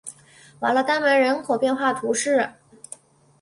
瓦勒丹门人口变化图示